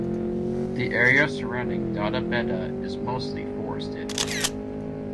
The area surrounding Doddabetta is mostly forested.